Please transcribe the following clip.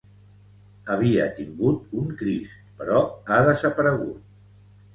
Havia tingut un Crist però ha desaparegut.